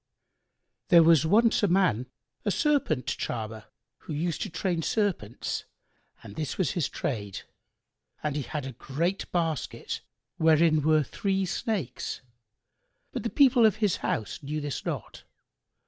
There was once a man, a Serpent charmer,[FN#91] who used to train serpents, and this was his trade; and he had a great basket,[FN#92] wherein were three snakes but the people of his house knew this not.